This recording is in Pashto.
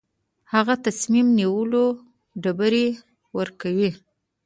هغه د تصمیم نیولو ډبرې ورکوي.